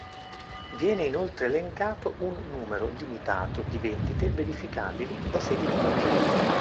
Viene inoltre elencato un numero limitato di vendite verificabili da sedi di concerti.